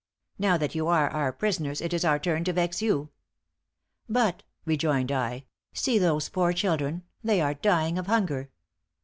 Now that you are our prisoners, it is our turn to vex you.' 'But,' rejoined I, 'see those poor children; they are dying of hunger.'